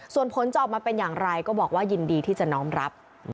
ส่วนผลจะออกมาเป็นอย่างไรก็บอกว่ายินดีที่จะน้อมรับ